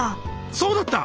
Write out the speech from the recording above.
そうだった！